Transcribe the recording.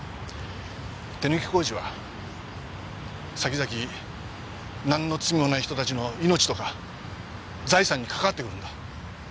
手抜き工事は先々なんの罪もない人たちの命とか財産に関わってくるんだ。